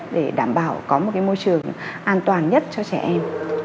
để đảm bảo có một môi trường an toàn nhất cho trẻ em